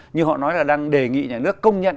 như họ nói là đang đề nghị nhà nước công nhận